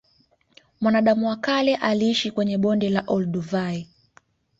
Mwanadamu wa kale aliishi kwenye bonde la olduvai